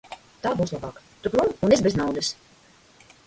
Tā būs labāk; tu prom un es bez naudas.